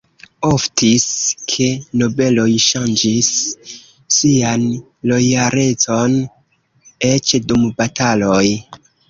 Oftis ke nobeloj ŝanĝis sian lojalecon, eĉ dum bataloj.